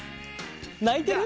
泣いてる？